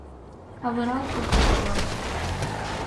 Авырал пуртымыжлан